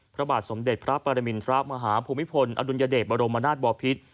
พระบาทสมเด็จพระปรมินทรมาฮภูมิพลอดุลยเดชบรมนาศบอพิษ